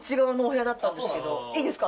いいですか？